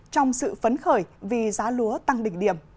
trong sự phấn khởi vì giá lúa tăng đỉnh điểm